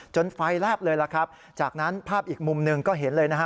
ไฟแลบเลยล่ะครับจากนั้นภาพอีกมุมหนึ่งก็เห็นเลยนะฮะ